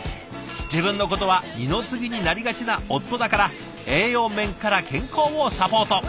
自分のことは二の次になりがちな夫だから栄養面から健康をサポート。